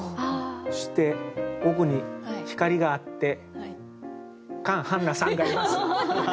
そして奥に光があってカン・ハンナさんがいます。